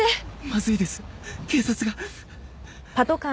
まずいです警察が。